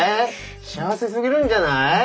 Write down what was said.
幸せすぎるんじゃない？